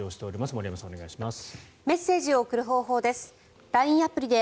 森山さん、お願いします。